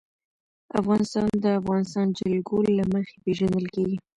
افغانستان د د افغانستان جلکو له مخې پېژندل کېږي.